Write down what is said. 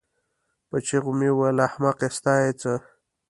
په چيغو مې وویل: احمقې ستا یې څه؟